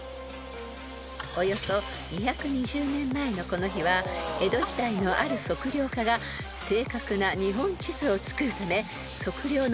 ［およそ２２０年前のこの日は江戸時代のある測量家が正確な日本地図を作るため測量の旅に出発した日です］